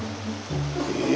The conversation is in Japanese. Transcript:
え？